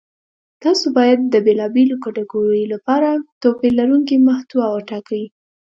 تاسو باید د بېلابېلو کتګوریو لپاره توپیر لرونکې محتوا وټاکئ.